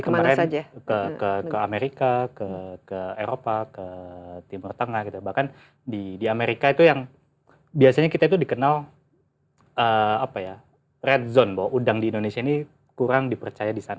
kemarin ke amerika ke eropa ke timur tengah gitu bahkan di amerika itu yang biasanya kita itu dikenal red zone bahwa udang di indonesia ini kurang dipercaya di sana